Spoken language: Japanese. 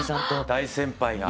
大先輩が。